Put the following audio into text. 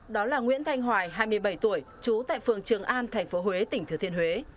đó là nguyễn thanh hoài hai mươi bảy tuổi trú tại phường trường an tp huế tỉnh thừa thiên huế